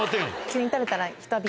急に食べたら人は。